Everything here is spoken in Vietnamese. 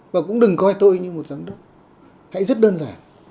và cũng đừng coi tôi như một giám đốc hãy rất đơn giản